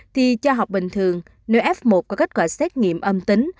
thì cho học bình thường n f một có kết quả xét nghiệm âm tính